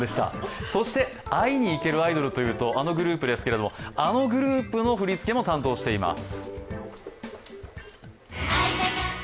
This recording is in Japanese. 会いに行けるアイドルというと、あのグループですが、あのグループの振り付けも担当しています。